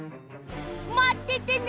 まっててね。